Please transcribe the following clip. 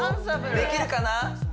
できるかな？